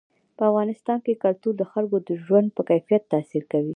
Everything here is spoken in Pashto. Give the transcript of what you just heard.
په افغانستان کې کلتور د خلکو د ژوند په کیفیت تاثیر کوي.